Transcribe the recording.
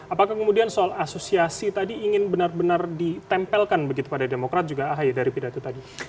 apakah kemudian soal asosiasi tadi ingin benar benar ditempelkan begitu pada demokrat juga ahy dari pidato tadi